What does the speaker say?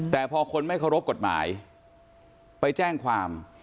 แต่พอคนไม่เคารพกฎหมายไปแจ้งความ